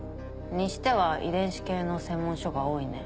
にしては遺伝子系の専門書が多いね。